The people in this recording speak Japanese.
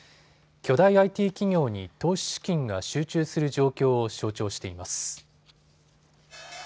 巨大ＩＴ企業に投資資金が集中する状況を象徴しています。